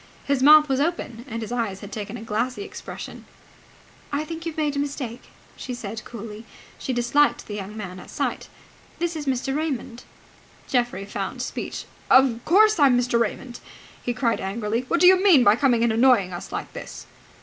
His mouth was open, and his eyes had taken a glassy expression. "I think you have made a mistake," she said coldly. She disliked the young man at sight. "This is Mr. Raymond." Geoffrey found speech. "Of course I'm Mr. Raymond!" he cried angrily. "What do you mean by coming and annoying us like this?"